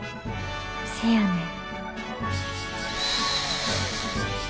せやねん。